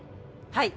はい。